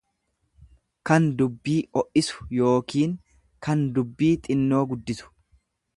kan dubbii o'isu yookiin kan dubbii xinnoo guddisu.